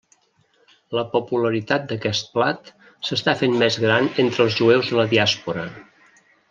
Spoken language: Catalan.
La popularitat d'aquest plat s'està fent més gran entre els jueus de la diàspora.